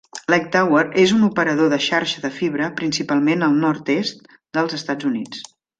Lightower és un operador de xarxa de fibra principalment al nord-est dels Estats Units.